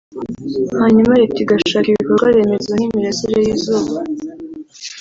hanyuma Leta igashaka ibikorwaremezo nk’imirasire y’izuba